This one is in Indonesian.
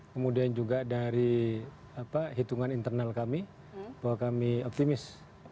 kemudian juga dari hitungan internal kami bahwa kami optimis